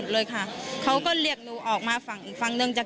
เราก็โกยปูนอยู่ตึกนั้น